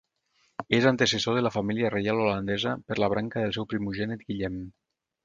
És antecessor de la família reial holandesa per la branca del seu primogènit Guillem.